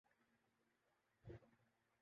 مگر حیف ہے اے انسان تیری خود مختاری